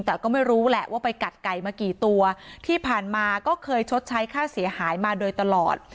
แต่ก็ไม่รู้แหละว่าไปกัดไก่มากี่ตัวที่ผ่านมาก็เคยชดใช้ค่าเสียหายมาโดยตลอด